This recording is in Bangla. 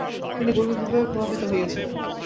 তিনি গভীরভাবে প্রভাবিত হয়েছিলেন।